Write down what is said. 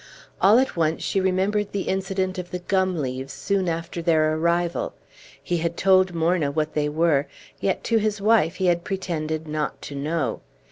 All at once she remembered the incident of the gum leaves, soon after their arrival; he had told Morna what they were, yet to his wife he had pretended not to know.